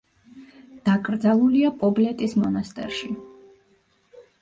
დაკრძალულია პობლეტის მონასტერში.